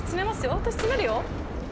私つめるよ。